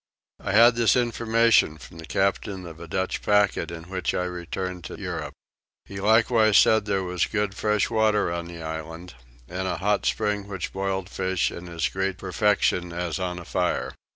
I had this information from the captain of a Dutch packet in which I returned to Europe. He likewise said there was good fresh water on the island and a hot spring which boiled fish in as great perfection as on a fire.